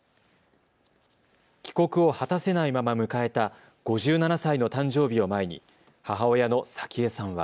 帰国を果たせないまま迎えた５７歳の誕生日を前に母親の早紀江さんは。